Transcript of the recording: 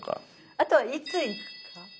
あとはいつ行くか。